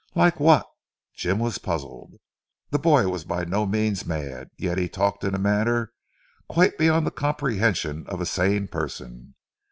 "Like what?" Jim was puzzled. The boy was by no means mad, yet he talked in a manner quite beyond the comprehension of a sane person.